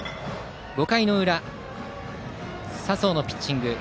５回の裏、佐宗のピッチング。